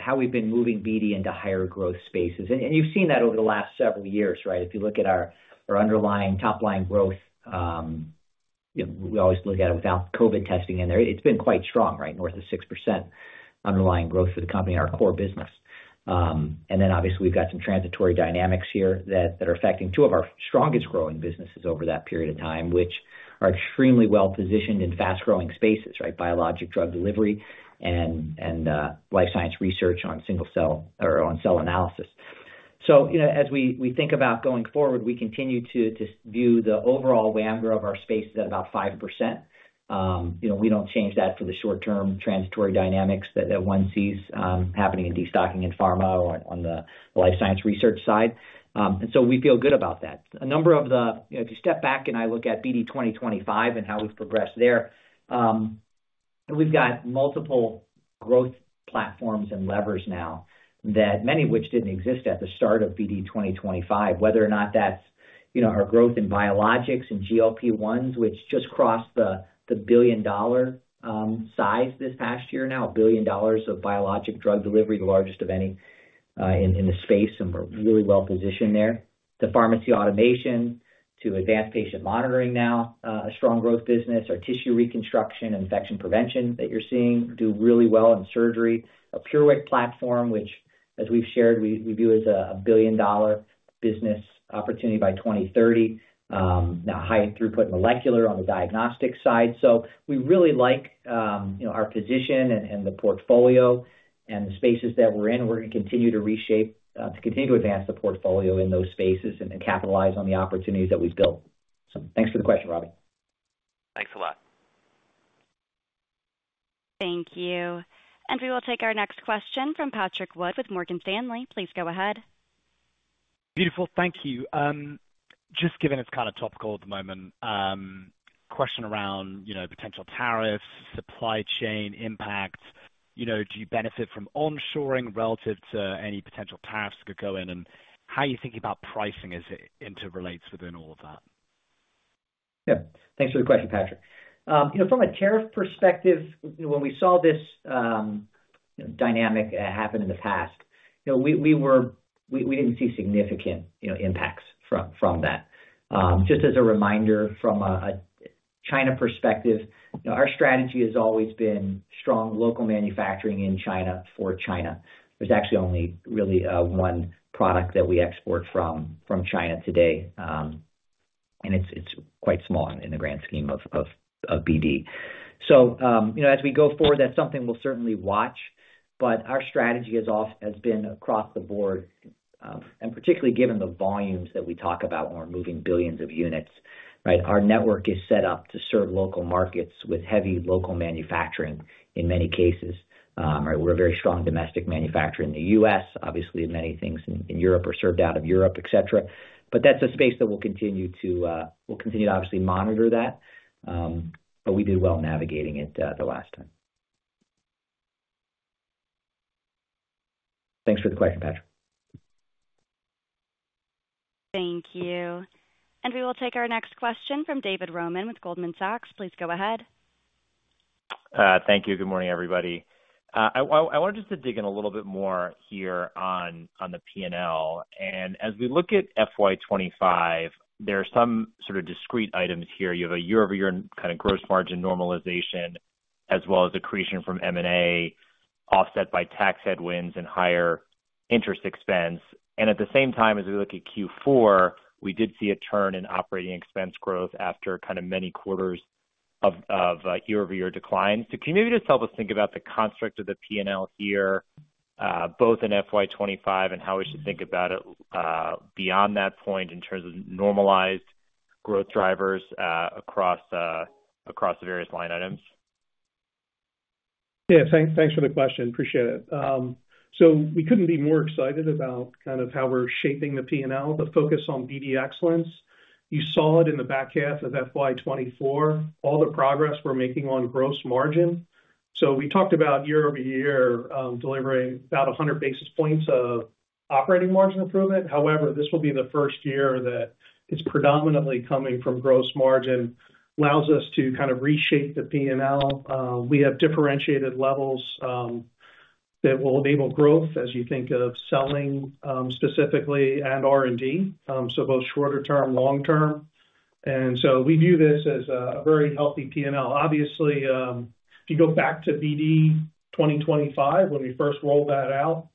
how we've been moving BD into higher growth spaces. And you've seen that over the last several years, right? If you look at our underlying top-line growth, we always look at it without COVID testing in there. It's been quite strong, right? North of 6% underlying growth for the company, our core business. And then, obviously, we've got some transitory dynamics here that are affecting two of our strongest growing businesses over that period of time, which are extremely well-positioned in fast-growing spaces, right? Biologic drug delivery and life science research on single-cell or cell analysis. So as we think about going forward, we continue to view the overall growth of our space at about 5%. We don't change that for the short-term transitory dynamics that one sees happening in destocking and pharma on the life science research side. And so we feel good about that. And if you step back and I look at BD 2025 and how we've progressed there, we've got multiple growth platforms and levers now, many of which didn't exist at the start of BD 2025, whether or not that's our growth in biologics and GLP-1s, which just crossed the $1 billion size this past year, now $1 billion of biologic drug delivery, the largest of any in the space, and we're really well-positioned there. To pharmacy automation, to advanced patient monitoring now, a strong growth business. Our tissue reconstruction and infection prevention that you're seeing do really well in surgery. A PureWick platform, which, as we've shared, we view as a $1 billion business opportunity by 2030. Now, high throughput molecular on the diagnostic side. So we really like our position and the portfolio and the spaces that we're in. We're going to continue to reshape, to continue to advance the portfolio in those spaces and capitalize on the opportunities that we've built. So thanks for the question, Robbie. Thanks a lot. Thank you. And we will take our next question from Patrick Wood with Morgan Stanley. Please go ahead. Beautiful. Thank you. Just given it's kind of topical at the moment, question around potential tariffs, supply chain impact. Do you benefit from onshoring relative to any potential tariffs that could go in? And how are you thinking about pricing as it interrelates within all of that? Yeah. Thanks for the question, Patrick. From a tariff perspective, when we saw this dynamic happen in the past, we didn't see significant impacts from that. Just as a reminder from a China perspective, our strategy has always been strong local manufacturing in China for China. There's actually only really one product that we export from China today, and it's quite small in the grand scheme of BD. So as we go forward, that's something we'll certainly watch. But our strategy has been across the board, and particularly given the volumes that we talk about when we're moving billions of units, right? Our network is set up to serve local markets with heavy local manufacturing in many cases. We're a very strong domestic manufacturer in the U.S. Obviously, many things in Europe are served out of Europe, etc. But that's a space that we'll continue to obviously monitor that. But we did well navigating it the last time. Thanks for the question, Patrick. Thank you. And we will take our next question from David Roman with Goldman Sachs. Please go ahead. Thank you. Good morning, everybody. I wanted just to dig in a little bit more here on the P&L. And as we look at FY 2025, there are some sort of discrete items here. You have a year-over-year kind of gross margin normalization, as well as accretion from M&A, offset by tax headwinds and higher interest expense. And at the same time, as we look at Q4, we did see a turn in operating expense growth after kind of many quarters of year-over-year declines. So can you maybe just help us think about the construct of the P&L here, both in FY 2025 and how we should think about it beyond that point in terms of normalized growth drivers across the various line items? Yeah. Thanks for the question. Appreciate it. So we couldn't be more excited about kind of how we're shaping the P&L, the focus on BD Excellence. You saw it in the back half of FY 2024, all the progress we're making on gross margin. So we talked about year-over-year delivering about 100 basis points of operating margin improvement. However, this will be the first year that it's predominantly coming from gross margin, allows us to kind of reshape the P&L. We have differentiated levels that will enable growth, as you think of selling specifically, and R&D, so both shorter-term, long-term. And so we view this as a very healthy P&L. Obviously, if you go back to BD 2025, when we first rolled that out,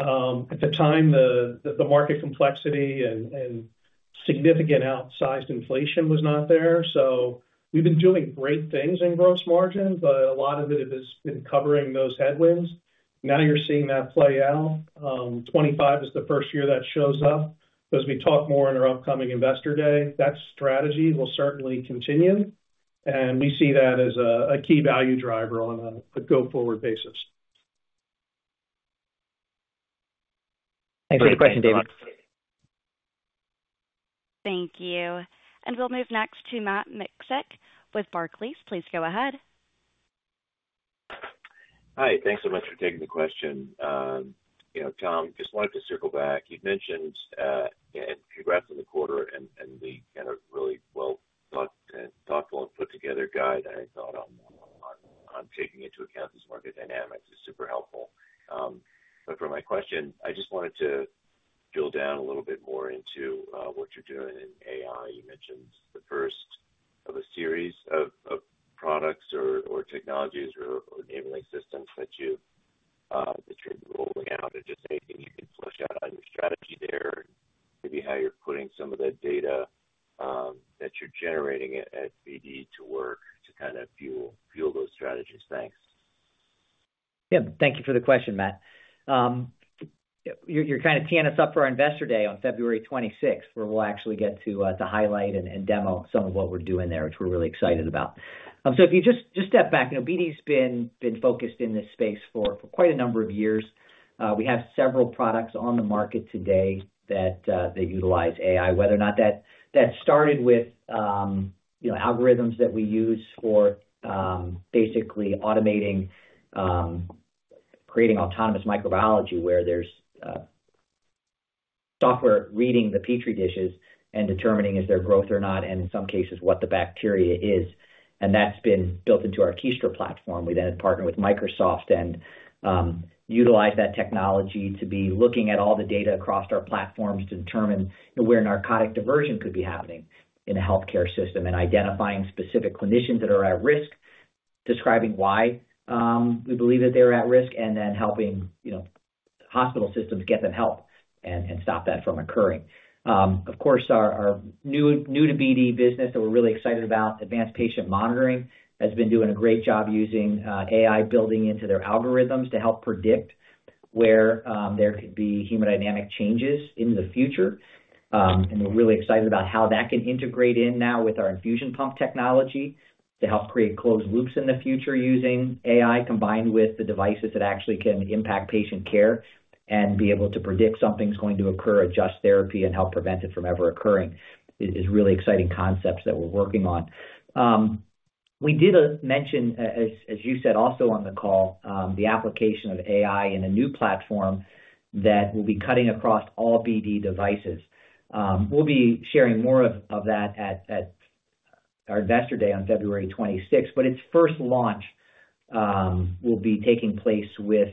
at the time, the market complexity and significant outsized inflation was not there. So we've been doing great things in gross margin, but a lot of it has been covering those headwinds. Now you're seeing that play out. 2025 is the first year that shows up. As we talk more in our upcoming investor day, that strategy will certainly continue. And we see that as a key value driver on a go-forward basis. Thanks for the question, David. Thank you. And we'll move next to Matt Miksic with Barclays. Please go ahead. Hi. Thanks so much for taking the question. Tom, just wanted to circle back. You've mentioned, and congrats on the quarter and the kind of really well thought and thoughtful and put-together guide I thought on taking into account these market dynamics. It's super helpful. But for my question, I just wanted to drill down a little bit more into what you're doing in AI. You mentioned the first of a series of products or technologies or enabling systems that you're rolling out. And just anything you can flesh out on your strategy there, maybe how you're putting some of that data that you're generating at BD to work to kind of fuel those strategies. Thanks. Yeah. Thank you for the question, Matt. You're kind of teeing us up for our investor day on February 26th, where we'll actually get to highlight and demo some of what we're doing there, which we're really excited about. So if you just step back, BD's been focused in this space for quite a number of years. We have several products on the market today that utilize AI, whether or not that started with algorithms that we use for basically automating, creating autonomous microbiology, where there's software reading the Petri dishes and determining is there growth or not, and in some cases, what the bacteria is. And that's been built into our Kiestra platform. We then partner with Microsoft and utilize that technology to be looking at all the data across our platforms to determine where narcotic diversion could be happening in a healthcare system and identifying specific clinicians that are at risk, describing why we believe that they're at risk, and then helping hospital systems get them help and stop that from occurring. Of course, our new-to-BD business that we're really excited about, advanced patient monitoring, has been doing a great job using AI building into their algorithms to help predict where there could be hemodynamic changes in the future. And we're really excited about how that can integrate in now with our infusion pump technology to help create closed loops in the future using AI combined with the devices that actually can impact patient care and be able to predict something's going to occur, adjust therapy, and help prevent it from ever occurring. It's really exciting concepts that we're working on. We did mention, as you said also on the call, the application of AI in a new platform that will be cutting across all BD devices. We'll be sharing more of that at our investor day on February 26th. But its first launch will be taking place with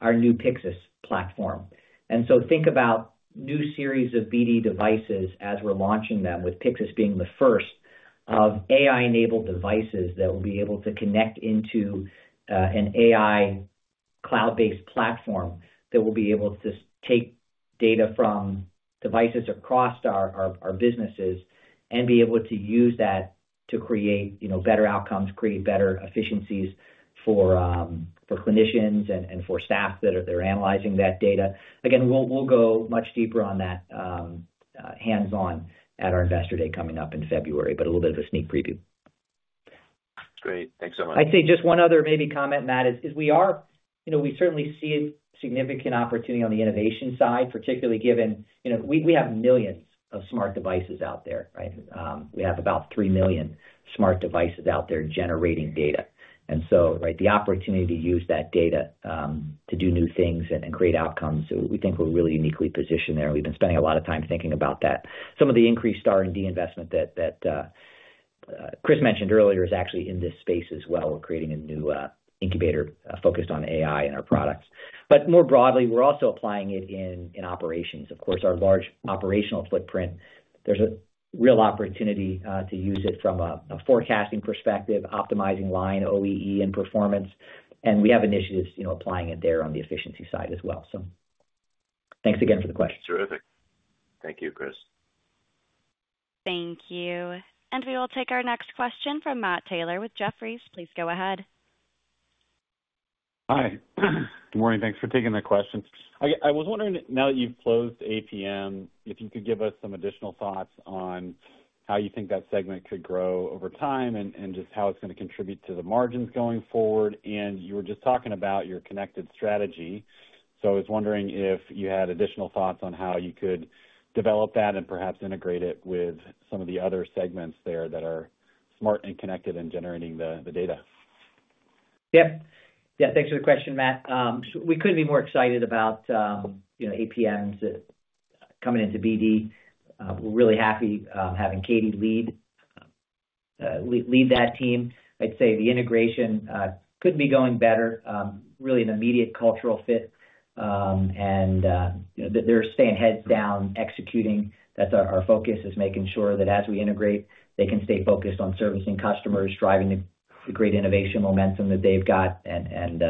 our new Pyxis platform. And so think about a new series of BD devices as we're launching them, with Pyxis being the first of AI-enabled devices that will be able to connect into an AI cloud-based platform that will be able to take data from devices across our businesses and be able to use that to create better outcomes, create better efficiencies for clinicians and for staff that are analyzing that data. Again, we'll go much deeper on that hands-on at our investor day coming up in February, but a little bit of a sneak preview. Great. Thanks so much. I'd say just one other maybe comment, Matt, is we certainly see a significant opportunity on the innovation side, particularly given we have millions of smart devices out there, right? We have about 3 million smart devices out there generating data. And so, right, the opportunity to use that data to do new things and create outcomes. So we think we're really uniquely positioned there. We've been spending a lot of time thinking about that. Some of the increased R&D investment that Chris mentioned earlier is actually in this space as well. We're creating a new incubator focused on AI in our products. But more broadly, we're also applying it in operations. Of course, our large operational footprint, there's a real opportunity to use it from a forecasting perspective, optimizing line OEE and performance. And we have initiatives applying it there on the efficiency side as well. So thanks again for the question. Terrific. Thank you, Chris. Thank you. And we will take our next question from Matt Taylor with Jefferies. Please go ahead. Hi. Good morning. Thanks for taking the question. I was wondering, now that you've closed APM, if you could give us some additional thoughts on how you think that segment could grow over time and just how it's going to contribute to the margins going forward. And you were just talking about your connected strategy. So I was wondering if you had additional thoughts on how you could develop that and perhaps integrate it with some of the other segments there that are smart and connected and generating the data. Yep. Yeah. Thanks for the question, Matt. We couldn't be more excited about APM's coming into BD. We're really happy having Katie lead that team. I'd say the integration couldn't be going better, really an immediate cultural fit. And they're staying heads down executing. That's our focus, is making sure that as we integrate, they can stay focused on servicing customers, driving the great innovation momentum that they've got, and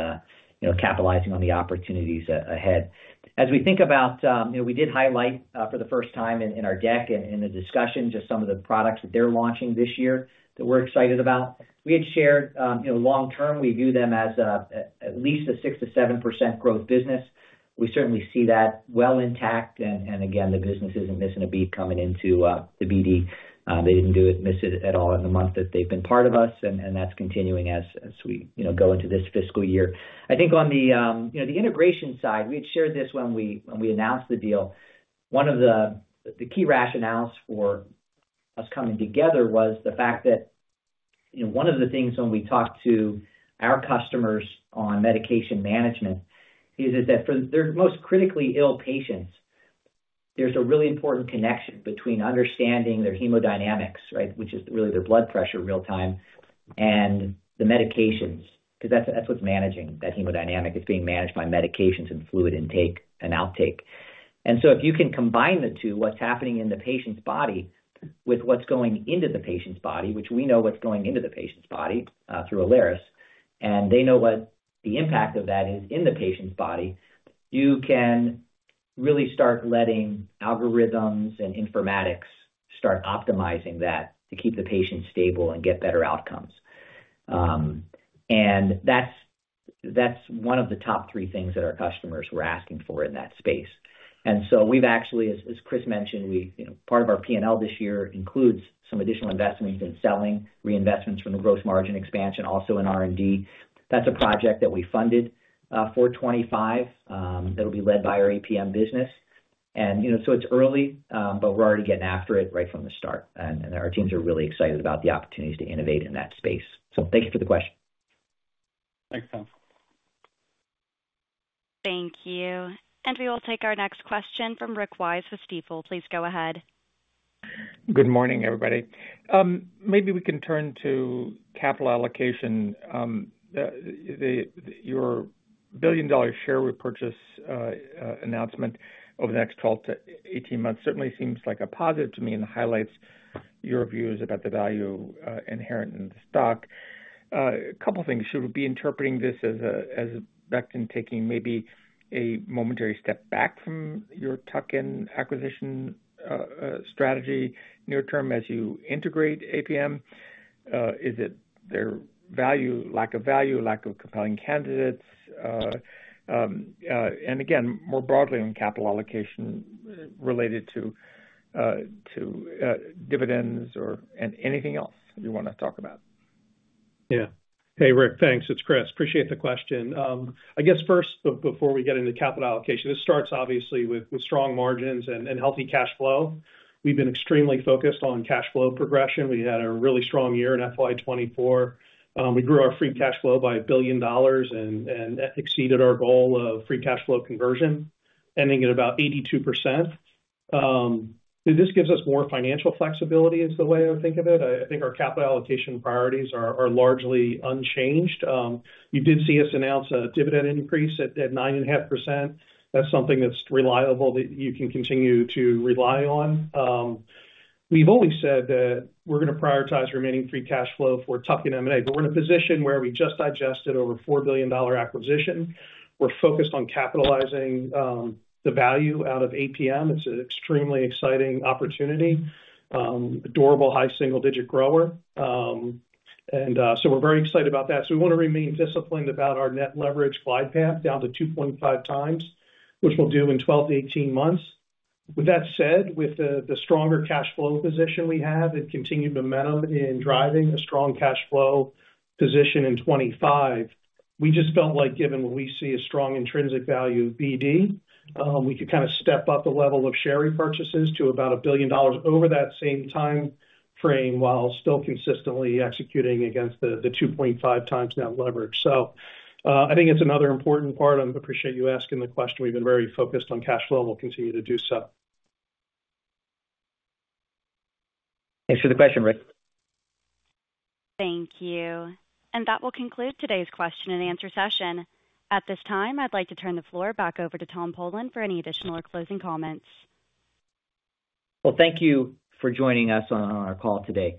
capitalizing on the opportunities ahead. As we think about, we did highlight for the first time in our deck and in the discussion just some of the products that they're launching this year that we're excited about. We had shared long-term, we view them as at least a 6% to 7% growth business. We certainly see that well intact. And again, the business isn't missing a beat coming into the BD. They didn't miss it at all in the month that they've been part of us. And that's continuing as we go into this fiscal year. I think on the integration side, we had shared this when we announced the deal. One of the key rationales for us coming together was the fact that one of the things when we talk to our customers on medication management is that for their most critically ill patients, there's a really important connection between understanding their hemodynamics, right, which is really their blood pressure real-time, and the medications, because that's what's managing that hemodynamic. It's being managed by medications and fluid intake and outtake, and so if you can combine the two, what's happening in the patient's body with what's going into the patient's body, which we know what's going into the patient's body through Alaris, and they know what the impact of that is in the patient's body, you can really start letting algorithms and informatics start optimizing that to keep the patient stable and get better outcomes. That's one of the top three things that our customers were asking for in that space. So we've actually, as Chris mentioned, part of our P&L this year includes some additional investments in selling, reinvestments from the gross margin expansion, also in R&D. That's a project that we funded for 2025 that'll be led by our APM business. It's early, but we're already getting after it right from the start. Our teams are really excited about the opportunities to innovate in that space. So thank you for the question. Thanks, Tom. Thank you. We will take our next question from Rick Wise with Stifel. Please go ahead. Good morning, everybody. Maybe we can turn to capital allocation. Your $1 billion share repurchase announcement over the next 12 months to 18 months certainly seems like a positive to me and highlights your views about the value inherent in the stock. A couple of things. Should we be interpreting this as Becton taking maybe a momentary step back from your tuck-in acquisition strategy near-term as you integrate APM? Is it the value, lack of value, lack of compelling candidates? And again, more broadly on capital allocation related to dividends and anything else you want to talk about. Yeah. Hey, Rick, thanks. It's Chris. Appreciate the question. I guess first, before we get into capital allocation, this starts obviously with strong margins and healthy cash flow. We've been extremely focused on cash flow progression. We had a really strong year in FY 2024. We grew our free cash flow by $1 billion and exceeded our goal of free cash flow conversion, ending at about 82%. This gives us more financial flexibility is the way I think of it. I think our capital allocation priorities are largely unchanged. You did see us announce a dividend increase at 9.5%. That's something that's reliable that you can continue to rely on. We've always said that we're going to prioritize remaining free cash flow for tuck-in and M&A, but we're in a position where we just digested over a $4 billion acquisition. We're focused on capturing the value out of APM. It's an extremely exciting opportunity, a durable high single-digit grower. And so we're very excited about that. So we want to remain disciplined about our net leverage glide path down to 2.5 times, which we'll do in 12 months to 18 months. With that said, with the stronger cash flow position we have and continued momentum in driving a strong cash flow position in 2025, we just felt like given what we see as strong intrinsic value of BD, we could kind of step up the level of share repurchases to about $1 billion over that same time frame while still consistently executing against the 2.5 times net leverage. So I think it's another important part. I appreciate you asking the question. We've been very focused on cash flow and we'll continue to do so. Thanks for the question, Rick. Thank you. And that will conclude today's question and answer session. At this time, I'd like to turn the floor back over to Tom Polen for any additional or closing comments. Well, thank you for joining us on our call today.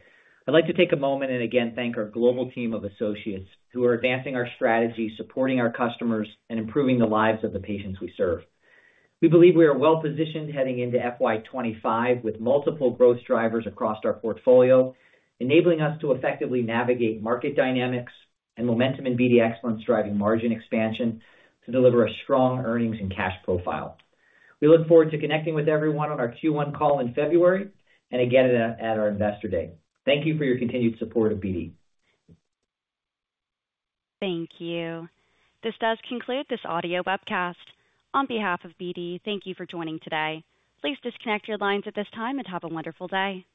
I'd like to take a moment and again thank our global team of associates who are advancing our strategy, supporting our customers, and improving the lives of the patients we serve. We believe we are well-positioned heading into FY 2025 with multiple growth drivers across our portfolio, enabling us to effectively navigate market dynamics and momentum in BD Excellence, driving margin expansion to deliver a strong earnings and cash profile. We look forward to connecting with everyone on our Q1 call in February and again at our investor day. Thank you for your continued support of BD. Thank you. This does conclude this audio webcast. On behalf of BD, thank you for joining today. Please disconnect your lines at this time and have a wonderful day.